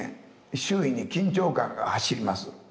周囲に緊張感が走ります。